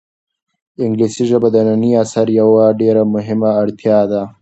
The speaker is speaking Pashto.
انګلیسي ژبه د ننني عصر یوه ډېره مهمه اړتیا ده.